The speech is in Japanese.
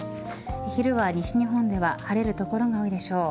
昼は西日本では晴れる所が多いでしょう。